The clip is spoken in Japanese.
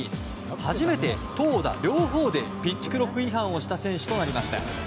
初めて投打両方でピッチクロック違反をした選手となりました。